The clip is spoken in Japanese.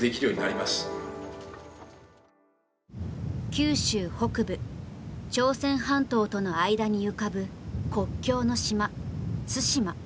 九州北部朝鮮半島との間に浮かぶ国境の島、対馬。